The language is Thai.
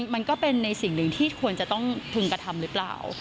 มันก็เป็นในสิ่งหนึ่งที่ควรจะต้องพึงกระทำหรือเปล่า